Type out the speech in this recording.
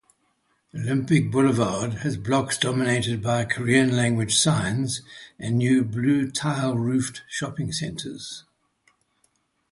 Olympic Boulevard has blocks dominated by Korean-language signs and new blue-tile-roofed shopping centers.